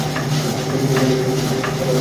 কিন্তু বউমার কাছে তার আভাস দিবার জো কী!